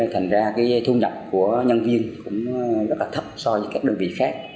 thành ra cái thu nhập của nhân viên cũng rất là thấp so với các đơn vị khác